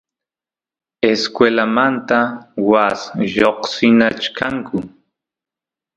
escuelamanta waas lloqsinachkanku